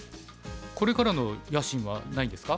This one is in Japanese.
これからの野心はないんですか？